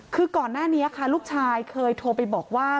คือก่อนหน้านี้ค่ะลูกชายเคยโทรไปบอกว่า